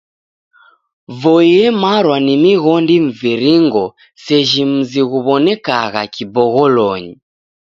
Voi emarwa ni mighondi mviringo seji mzi ghuw'onekagha kibogholonyi.